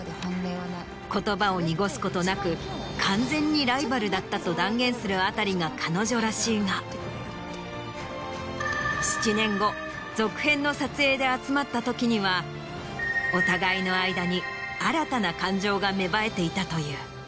言葉を濁すことなく完全にライバルだったと断言するあたりが彼女らしいが７年後続編の撮影で集まったときにはお互いの間に。が芽生えていたという。